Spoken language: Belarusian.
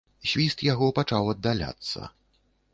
Свіст яго пачаў аддаляцца.